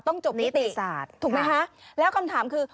ต้องจบนิติศาสตร์ถูกไหมคะแล้วคำถามคือ